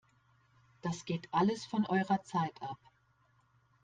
Das geht alles von eurer Zeit ab!